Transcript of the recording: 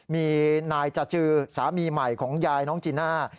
มีนายจจือสามีใหม่ของยายน้องจีน่า